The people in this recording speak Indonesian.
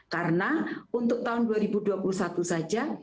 karena untuk tahun dua ribu dua puluh satu saja